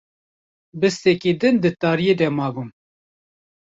Bistekî din di tariyê de mabûm